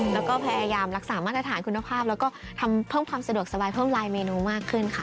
แล้วก็พยายามรักษามาตรฐานคุณภาพแล้วก็ทำเพิ่มความสะดวกสบายเพิ่มลายเมนูมากขึ้นค่ะ